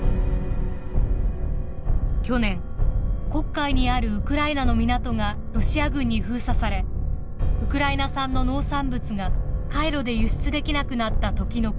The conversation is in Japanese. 去年黒海にあるウクライナの港がロシア軍に封鎖されウクライナ産の農産物が海路で輸出できなくなった時のこと。